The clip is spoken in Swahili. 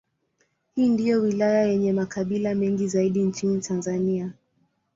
Hii ndiyo wilaya yenye makabila mengi zaidi nchini Tanzania.